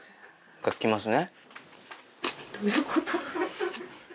が来ますね。